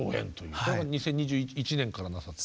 これは２０２１年からなさって。